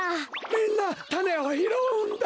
みんなたねをひろうんだ！